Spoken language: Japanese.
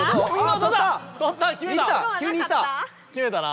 決めたな。